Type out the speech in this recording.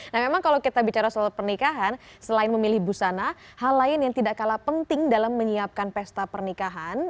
nah memang kalau kita bicara soal pernikahan selain memilih busana hal lain yang tidak kalah penting dalam menyiapkan pesta pernikahan